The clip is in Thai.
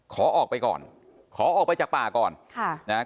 ขอออกไปก่อนขอออกไปจากป่าก่อนค่ะนะฮะ